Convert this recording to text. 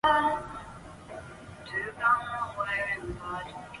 何俊仁将不能透过区议会功能组别参选立法会。